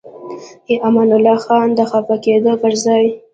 امان الله خان د خفه کېدو پر ځای.